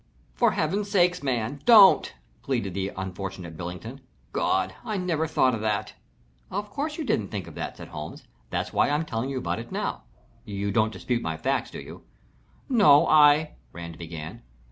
"For Heavens sake, man! don't!" pleased the unfortunate Billington. "God! I never thought of that." "Of course you didn't think of that," said Holmes. "That's why I'm telling you about it now. You don't dispute my facts, do you?" "No, I " Rand began.